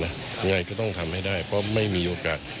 ยังไงก็ต้องทำให้ได้เพราะไม่มีโอกาส